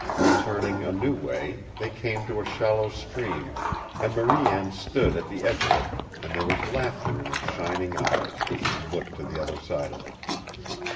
Returning a new way, they came to a shallow stream, and Marie Anne stood at the edge of it, and there was laughter in her shining eyes as she looked to the other side of it.